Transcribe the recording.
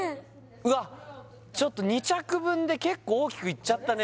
うわっちょっと２着分で結構大きくいっちゃったね